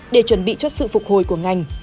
để chuẩn bị cho sự phục hồi của ngành